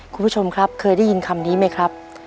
คุณผู้ชมครับเคยได้ยินคำนี้ไหมครับ